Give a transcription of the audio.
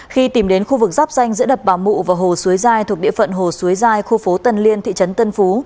khi tìm đến khu vực rắp danh giữa đập bà mụ và hồ suối dai thuộc địa phận hồ suối dai khu phố tân liên thị trấn tân phú